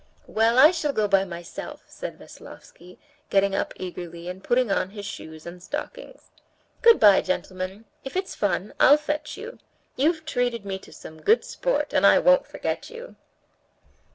"Well, I shall go by myself," said Veslovsky, getting up eagerly, and putting on his shoes and stockings. "Good bye, gentlemen. If it's fun, I'll fetch you. You've treated me to some good sport, and I won't forget you."